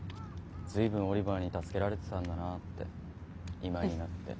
随分オリバーに助けられてたんだなって今になって。